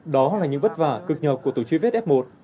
đó là những vất vả cực nhọc của tổ truy vết f một